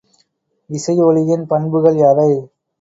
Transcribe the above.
இசை ஒலியின் பண்புகள் யாவை?